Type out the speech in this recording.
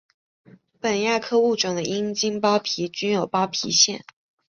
本亚科物种的阴茎包皮均有包皮腺。